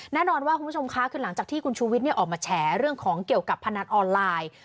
แน่นอนว่าคุณผู้ชมคะคือหลังจากที่คุณชูวิทย์ออกมาแฉเรื่องของเกี่ยวกับพนันออนไลน์